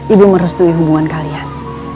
ibu merespui hubungan kalian